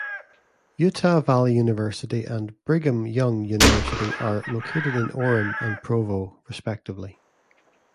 Utah Valley University and Brigham Young University are located in Orem and Provo respectively.